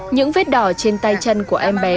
những vết đỏ trên tay chân của em bé